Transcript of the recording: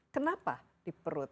kenapa di perut